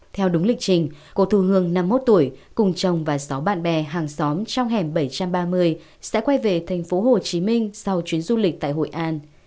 theo đúng lịch trình cô thu hương năm mươi một tuổi cùng chồng và sáu bạn bè hàng xóm trong hẻm bảy trăm ba mươi sẽ quay về tp hcm sau chuyến du lịch tại hội an